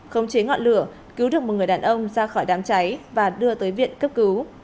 khống chế ngọn lửa cứu được một người đàn ông ra khỏi đám cháy và đưa tới viện cấp cứu